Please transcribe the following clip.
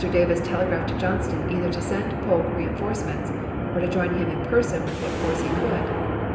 Davis telegi'aphed to Johnston either to send Polk reenforcements or to join him in person with what force he could.